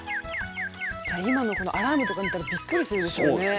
じゃあ今のアラームとか見たらびっくりするでしょうね。